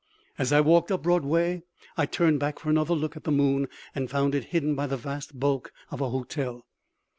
As I walked up Broadway I turned back for another look at the moon, and found it hidden by the vast bulk of a hotel.